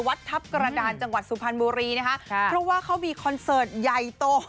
วัดทัพกระดานจังหวัดสุพรรณบุรีนะคะเพราะว่าเขามีคอนเสิร์ตใหญ่โต